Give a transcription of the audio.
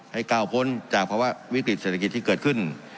ให้ก้าวพ้นจากภาวะวิกฤตเศรษฐกิจที่เกิดขึ้น